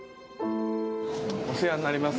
お世話になります。